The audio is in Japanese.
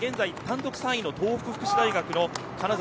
この北川と現在単独３位の東北福祉大学の金澤